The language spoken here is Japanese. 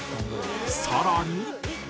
更に。